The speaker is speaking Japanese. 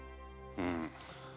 うん。